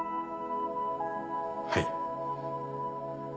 はい。